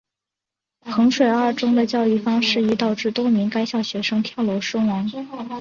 衡水二中的教育方式已导致多名该校学生跳楼身亡。